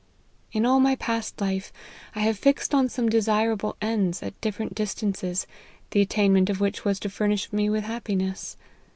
" In all my past life I have fixed on some desirable ends, at different distances, the attainment of which was to furnish me with happiness.